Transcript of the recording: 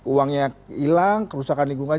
uangnya hilang kerusakan lingkungan